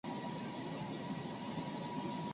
布罗德盖石圈是新石器时代遗迹。